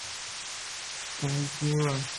کانگی ئے